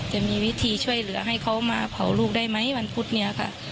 จะมีวิธีช่วยเหลือให้เขามาเผาลูกได้ไหมวันพุธนี้ค่ะ